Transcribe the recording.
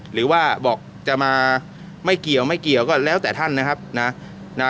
หรือว่าบอกจะมาไม่เกี่ยวไม่เกี่ยวก็แล้วแต่ท่านนะครับนะ